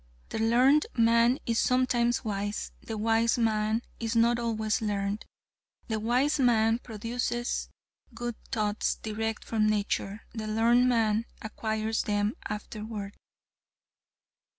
The learned man is sometimes wise; the wise man is not always learned. The wise man produces good thoughts direct from nature; the learned man acquires them afterward.